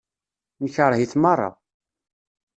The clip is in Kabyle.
Nekṛeh-it meṛṛa.